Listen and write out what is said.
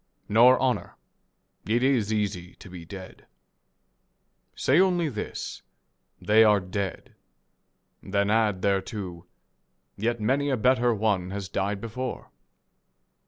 Nor honour. It is easy to be dead. Say only this, " They are dead." Then add thereto, " Yet many a better one has died before."